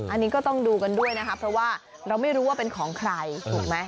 อันนี้ก็ต้องดูกันด้วยนะคะเพราะว่าเราไม่รู้ว่าเป็นของใครถูกไหม